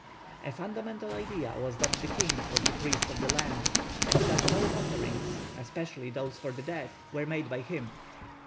A fundamental idea was that the king was the priest of the land, and that all offerings (especially those for the dead) were made by him.